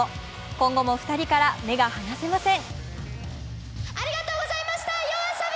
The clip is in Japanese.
今後も２人から目が離せません。